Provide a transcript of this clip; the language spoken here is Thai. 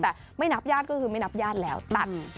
แต่ไม่นับญาติก็คือไม่นับญาติแล้วตัด